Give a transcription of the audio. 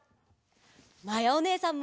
まやおねえさんも！